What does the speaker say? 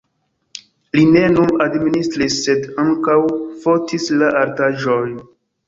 Li ne nur administris, sed ankaŭ fotis la artaĵojn.